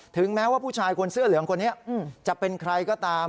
แม้ว่าผู้ชายคนเสื้อเหลืองคนนี้จะเป็นใครก็ตาม